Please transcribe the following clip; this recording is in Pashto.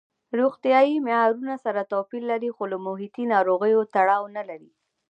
روغتیايي معیارونه سره توپیر لري خو له محیطي ناروغیو تړاو نه لري.